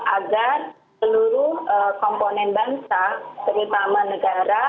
agar seluruh komponen bangsa terutama negara